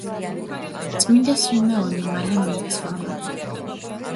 წმიდა სვიმეონი მალე მიიცვალა.